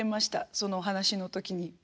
そのお話の時に。